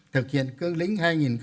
thực hiện cương lĩnh hai nghìn một mươi một